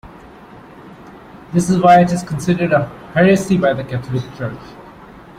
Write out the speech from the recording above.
This is why it is considered a heresy by the Catholic Church.